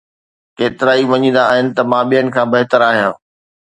ڪيترائي مڃيندا آھن ته مان ٻين کان بھتر آھيان